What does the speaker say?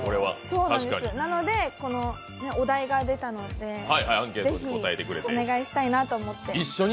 なので、お題が出たので是非、お願いしたいなと思って。